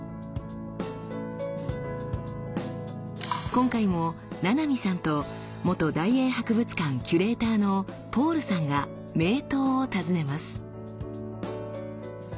今回も七海さんと元大英博物館キュレーターのポールさんが名刀を訪ねます。